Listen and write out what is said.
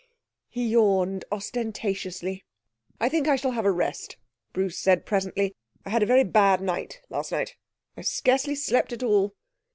He yawned ostentatiously. 'I think I shall have a rest,' Bruce said presently. 'I had a very bad night last night. I scarcely slept at all.'